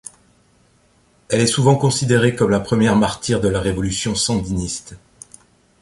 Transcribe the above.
Elle est souvent considérée comme la première martyre de la révolution sandiniste.